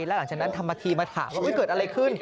แล้วหลังจากนั้นทำมาทีมาถามว่าเกิดอะไรขึ้น